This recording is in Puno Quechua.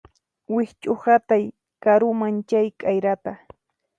Wikch'uhatay karuman chay k'ayrata